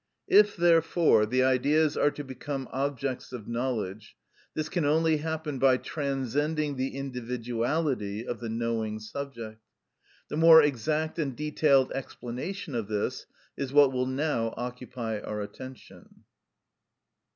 If, therefore, the Ideas are to become objects of knowledge, this can only happen by transcending the individuality of the knowing subject. The more exact and detailed explanation of this is what will now occupy our attention.